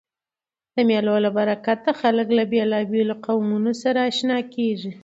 د مېلو له برکته خلک له بېلابېلو قومو سره آشنا کېږي.